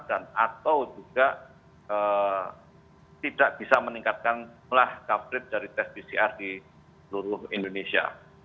dan atau juga tidak bisa meningkatkan jumlah kaplit dari tes pcr di seluruh indonesia